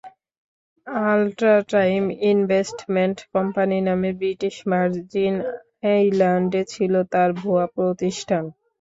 Ultra time investment company নামে British Virgin আইল্যান্ডে ছিল তাঁর ভুয়া প্রতিষ্ঠান।